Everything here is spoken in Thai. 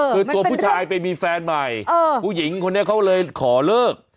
คือตัวผู้ชายไปมีแฟนใหม่ผู้หญิงคนนี้เขาเลยขอเลิก